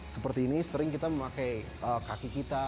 seperti ini sering kita memakai kaki kita